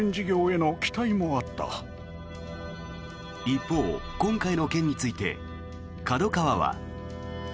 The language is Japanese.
一方、今回の件についてＫＡＤＯＫＡＷＡは。